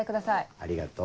ありがとう。